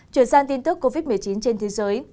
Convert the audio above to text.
chuyển sang tin tức covid một mươi chín trên thế giới